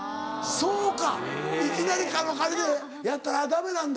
そうかいきなりあれでやったらダメなんだ。